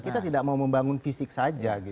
kita tidak mau membangun fisik saja